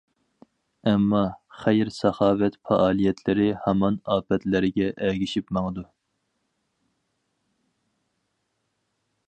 ئەمما، خەير-ساخاۋەت پائالىيەتلىرى ھامان ئاپەتلەرگە ئەگىشىپ ماڭىدۇ.